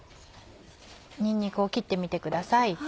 にんにくを切ってみてください。